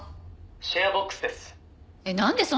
「シェアボックスです」